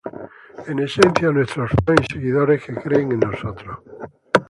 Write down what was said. En esencia, nuestros fans y seguidores que creen en nosotros".